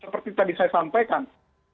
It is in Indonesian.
seperti tadi saya sampaikan